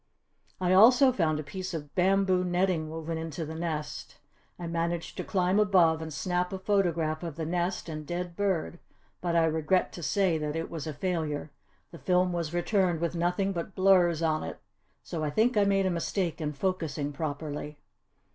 "I also found a piece of bamboo netting woven into the nest. I managed to climb above and snap a photograph of the nest and dead bird but I regret to say that it was a failure. The film was returned with nothing but blurs on it, so I think I made a mistake in focussing properly."